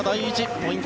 ポイント